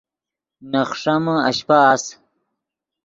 نے خݰیمے اشپہ اَس